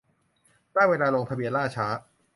ได้เวลาลงทะเบียน ล่าช้า